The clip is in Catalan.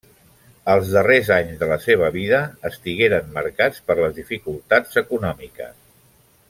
Els darrers anys de la seva vida estigueren marcats per les dificultats econòmiques.